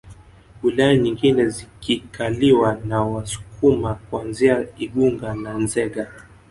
Wilaya nyingine zikikaliwa na Wasukuma kuanzia Igunga na Nzega